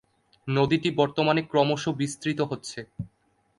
নদীটি বর্তমানে ক্রমশ বিস্তৃত হচ্ছে।